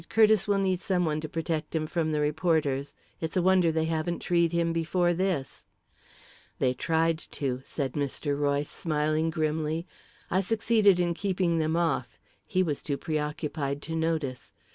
"Curtiss will need some one to protect him from the reporters. It's a wonder they haven't treed him before this." "They tried to," said Mr. Royce, smiling grimly. "I succeeded in keeping them off. He was too preoccupied to notice.